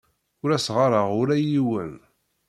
Ur as-ɣɣareɣ ula i yiwen.